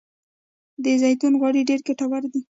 د زیتون غوړي ډیر ګټور دي.